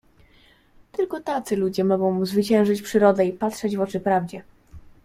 "Tylko tacy ludzie mogą zwyciężyć Przyrodę i patrzeć w oczy prawdzie."